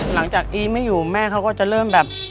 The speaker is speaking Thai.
อีไม่อยู่แม่เขาก็จะเริ่มแบบ